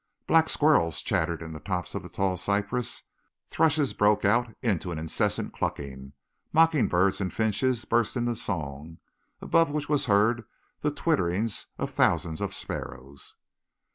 Black squirrels chattered in the tops of the tall cypress, thrushes broke out into an incessant clucking, mockingbirds and finches burst into song, above which was heard the twitterings of thousands of sparrows.